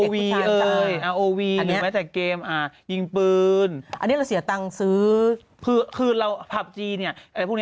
พวกเราจะได้เงินพวกเรากดเล่นเกม